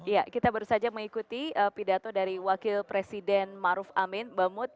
ya kita baru saja mengikuti pidato dari wakil presiden maruf amin mbak mut